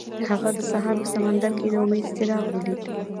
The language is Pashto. هغه د سهار په سمندر کې د امید څراغ ولید.